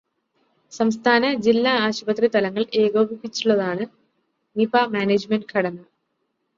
സംസ്ഥാന, ജില്ലാ, ആശുപത്രിതലങ്ങള് ഏകോപിപ്പിച്ചുള്ളതാണ് നിപ മാനേജ്മെന്റി ഘടന.